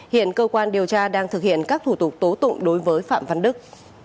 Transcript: hiện cơ quan điều tra đang thực hiện các thủ tục tố tụng đối với phạm văn đức